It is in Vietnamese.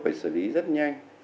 phải xử lý rất nhanh